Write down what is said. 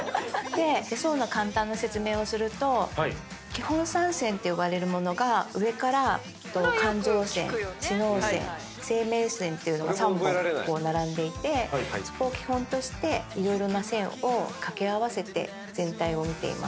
基本３線って呼ばれるものが上から感情線知能線生命線っていうのが３本並んでいてそこを基本として色々な線を掛け合わせて全体を見ています。